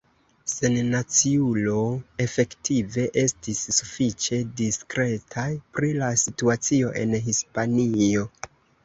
Sennaciulo efektive estis sufiĉe diskreta pri la situacio en Hispanio.